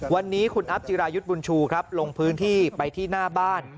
วันนี้คุณอัพจิรายุทธ์บุญชูครับลงพื้นที่ไปที่หน้าบ้าน